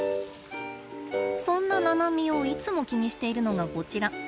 そんなナナミをいつも気にしているのがこちら。